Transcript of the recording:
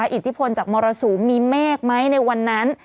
เห็นอินทิพลจากมรสุมมีแม่กไหมในวันนั้น